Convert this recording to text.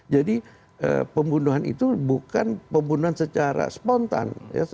jadi pembunuhan itu bukan pembunuhan secara spontan